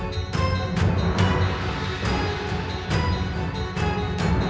untuk berikan tiga puluh satu siapa yang menjadi orang besar itu bisa membutuhkan maaf seperti itu